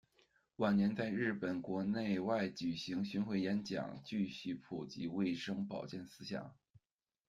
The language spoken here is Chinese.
晚年在日本国内外举行巡回演讲，继续普及卫生保健思想。